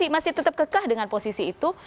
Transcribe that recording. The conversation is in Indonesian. masih tetap kekah dengan posisi itu